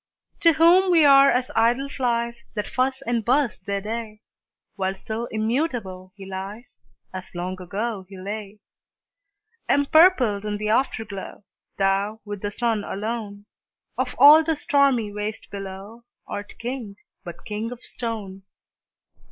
To whom we are as idle flies, That fuss and buzz their day; While still immutable he lies, As long ago he lay. Empurpled in the Afterglow, Thou, with the Sun alone, Of all the stormy waste below, Art King, but king of stone!